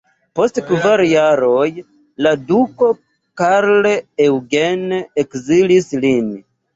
Post kvar jaroj la duko Karl Eugen ekzilis lin.